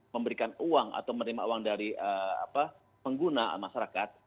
memberikan uang atau menerima uang dari pengguna masyarakat